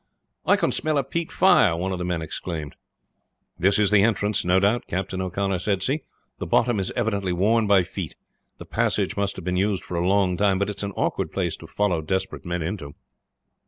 "I can smell a peat fire!" one of the men exclaimed. "This is the entrance, no doubt," Captain O'Connor said. "See, the bottom is evidently worn by feet. The passage must have been used for a long time; but it's an awkward place to follow desperate men into."